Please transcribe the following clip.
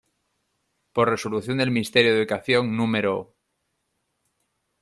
Por Resolución del Ministerio de Educación, N°.